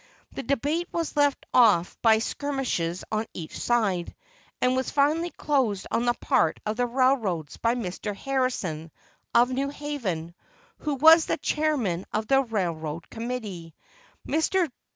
The debate was led off by skirmishers on each side, and was finally closed on the part of the railroads by Mr. Harrison, of New Haven, who was chairman of the railroad committee. Mr.